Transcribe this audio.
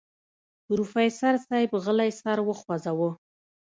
پروفيسر صيب غلی سر وخوځوه.